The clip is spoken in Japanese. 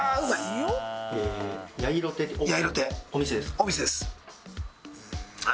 お店ですか？